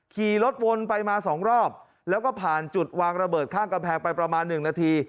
ขี่รถวนไปมาสองรอบแล้วก็ผ่านจุดวางระเบิดข้างกำแพงไปประมาณหนึ่งนาที